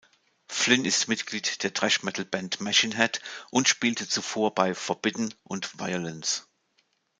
Flynn ist Mitglied der Thrash-Metal-Band Machine Head und spielte zuvor bei Forbidden und Vio-lence.